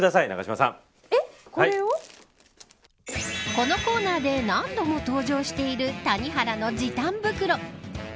このコーナーで何度も登場している谷原の時短袋。